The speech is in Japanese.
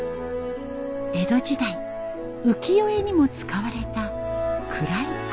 江戸時代浮世絵にも使われた暗い青。